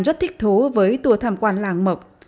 rất thích thú với tour tham quan làng mộc